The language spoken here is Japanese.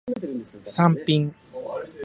サンピン